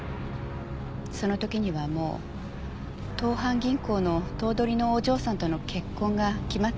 その時にはもう東阪銀行の頭取のお嬢さんとの結婚が決まってましたから。